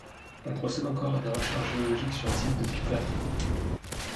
On procède encore à des recherches géologiques sur le site de Pitaffe.